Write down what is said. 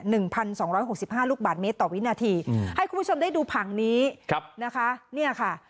หนึ่งพันสองร้อยหกสิบห้าลูกบาทเมตรต่อวินาทีให้คุณผู้ชมได้ดูภังนี้นะคะ